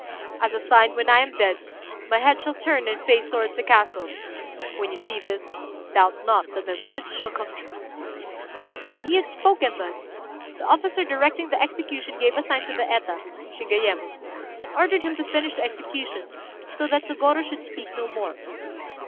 As a sign, when I am dead, my head shall turn and face towards the castle. When you see this, doubt not that my words shall come true." When he had spoken thus, the officer directing the execution gave a sign to the Eta, Shigayémon, and ordered him to finish the execution, so that Sôgorô should speak no more.